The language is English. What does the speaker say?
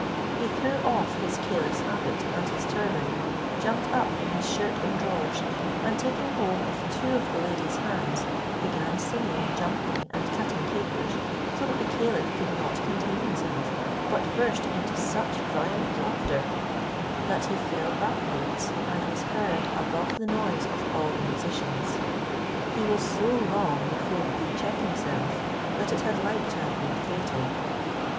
He threw off his caliph's habit, and his turban, jumped up in his shirt and drawers, and taking hold of two of the ladies' hands, began singing, jumping and cutting capers, so that the caliph could not contain himself, but burst into such violent laughter, that he fell backwards, and was heard above the noise of all the musicians. He was so long before he could check himself, that it had like to have been fatal.